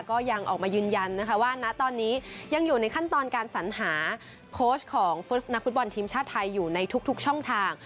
ก็ยังออกมายืนยันนะคะว่าณตอนนี้ยังอยู่ในขั้นตอนการสัญหาโค้ชของนักฟุตบอลทีมชาติไทยอยู่ในทุกช่องทาง